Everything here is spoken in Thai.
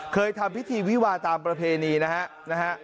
เคยทำพิธีวิวาตามประเพณีนะฮะนะฮะ